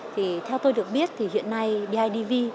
theo tôi được biết hiện nay bidv